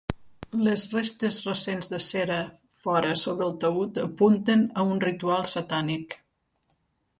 Les restes recents de cera fora sobre el taüt apunten a un ritual satànic.